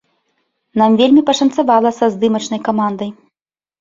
Нам вельмі пашанцавала са здымачнай камандай.